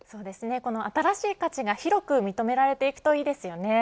新しい価値が広く認められていくといいですよね。